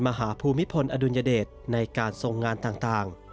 ภูมิพลอดุลยเดชในการทรงงานต่าง